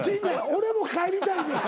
俺も帰りたいんや。